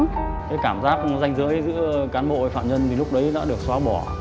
cái cảm giác danh dưới giữa cán bộ và phạm nhân thì lúc đấy đã được xóa bỏ